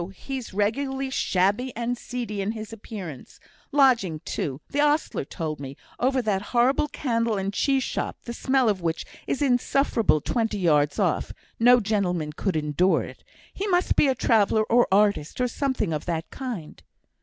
he's regularly shabby and seedy in his appearance; lodging, too, the ostler told me, over that horrible candle and cheese shop, the smell of which is insufferable twenty yards off no gentleman could endure it; he must be a traveller or artist, or something of that kind."